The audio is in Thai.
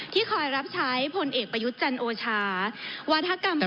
ที่คอยรับใช้ผลเอกประยุจรรย์โอชาวาฒะกรรมพลอมค่ะ